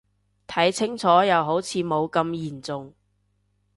睇清楚又好似冇咁嚴重